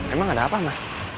emang ada apa ma